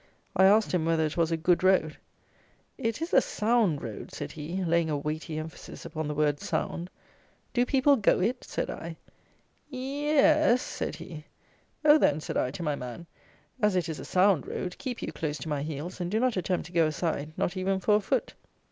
I asked him whether it was a good road: "It is a sound road," said he, laying a weighty emphasis upon the word sound. "Do people go it?" said I. "Ye es," said he. "Oh then," said I, to my man, "as it is a sound road, keep you close to my heels, and do not attempt to go aside, not even for a foot."